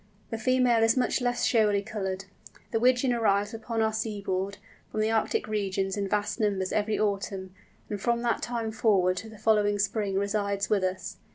The female is much less showily coloured. The Wigeon arrives upon our seaboard, from the Arctic regions, in vast numbers every autumn, and from that time forward to the following spring resides with us.